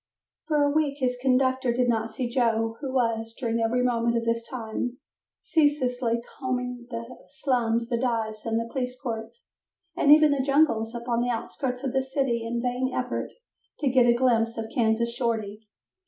For a week his conductor did not see Joe, who was, during every moment of this time, ceaselessly combing the slums, the dives, the police courts and even the "jungles" upon the outskirts of the city in a vain effort to get a glimpse of Kansas Shorty.